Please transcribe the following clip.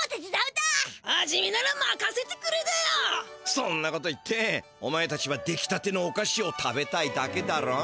そんなこと言ってお前たちはできたてのおかしを食べたいだけだろ。